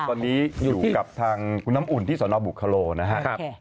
ตอนนี้อยู่กับทางคุณน้ำอุ่นที่สนบุคโลนะครับ